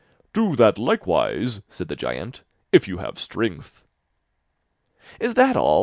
'Do that likewise,' said the giant, 'if you have strength.' 'Is that all?